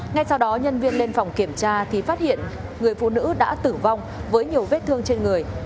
ngay sau đó nhân viên lên phòng kiểm tra thì phát hiện người phụ nữ đã tử vong với nhiều vết thương trên người